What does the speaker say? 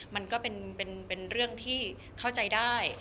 มันก็เป็นเรื่องที่เข้าใจได้